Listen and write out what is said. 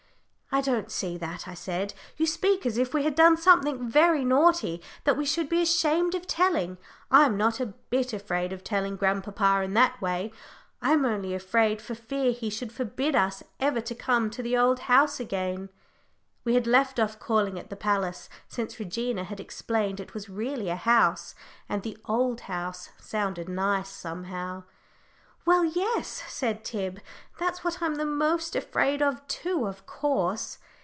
"I don't see that," I said. "You speak as if we had done something very naughty, that we should be ashamed of telling. I'm not a bit afraid of telling grandpapa, in that way; I'm only afraid for fear he should forbid us ever to come to the old house again;" we had left off calling it the palace, since Regina had explained it was really a house, and the "old house" sounded nice, somehow. "Well, yes," said Tib, "that's what I'm the most afraid of too, of course."